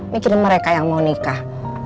mikirin mereka yang mau nikah